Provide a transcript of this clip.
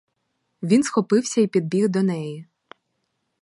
Він схопився й підбіг до неї.